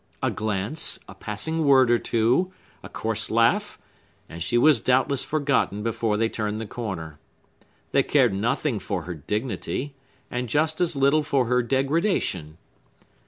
A glance; a passing word or two; a coarse laugh; and she was doubtless forgotten before they turned the corner. They cared nothing for her dignity, and just as little for her degradation.